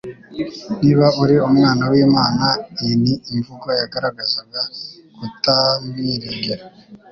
Niba uri umwana w'Imana.” Iyi ni imvugo yagaragazaga kutamwiringira